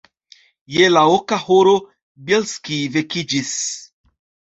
Je la oka horo Bjelski vekiĝis.